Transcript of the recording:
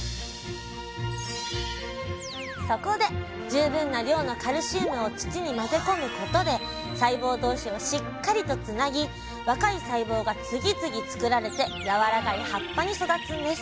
そこで十分な量のカルシウムを土に混ぜ込むことで細胞同士をしっかりとつなぎ若い細胞が次々作られてやわらかい葉っぱに育つんです